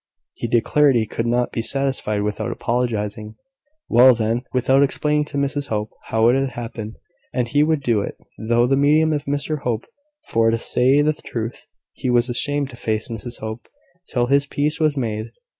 He declared he could not be satisfied without apologising, well, then, without explaining, to Mrs Hope how it had happened; and he would do it through the medium of Mr Hope; for, to say the truth, he was ashamed to face Mrs Hope till his peace was made.